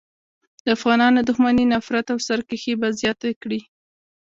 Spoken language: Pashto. د افغانانو دښمني، نفرت او سرکښي به زیاته کړي.